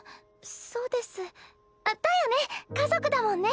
そうですだよね家族だもんね。